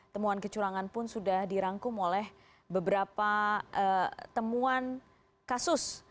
temuan kecurangan pun sudah dirangkum oleh beberapa temuan kasus